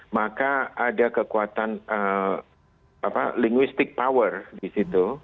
maka ada kekuatan linguistic power di situ